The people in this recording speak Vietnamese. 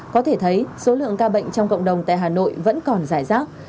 có thể thấy số lượng ca bệnh trong cộng đồng tại hà nội vẫn còn giải rác